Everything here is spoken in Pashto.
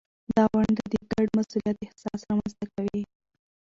دا ونډه د ګډ مسؤلیت احساس رامینځته کوي.